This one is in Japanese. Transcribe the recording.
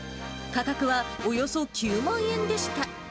価格はおよそ９万円でした。